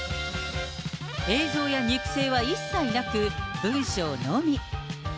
映像や肉声は一切なく、文章のみ。